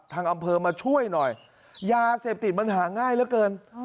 ทางอำเภอมาช่วยหน่อยยาเสพติดมันหาง่ายเหลือเกิน